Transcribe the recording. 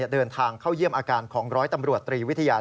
เดินทางเข้าเยี่ยมอาการของร้อยตำรวจตรีวิทยา